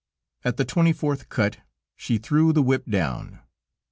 At the twenty fourth cut, she threw the whip down.